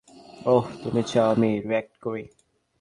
ওহ, তুমি চাও আমি রিয়্যাক্ট করি।